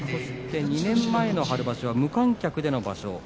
２年前の春場所は無観客での場所